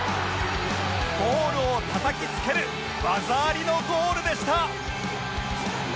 ボールをたたきつける技ありのゴールでした